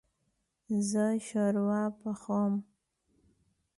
زه شوروا پخوم